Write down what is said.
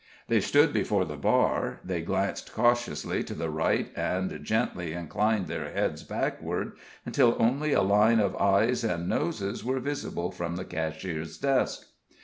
They stood before the bar, they glanced cautiously to the right, and gently inclined their heads backward, until only a line of eyes and noses were visible from the cashier's desk.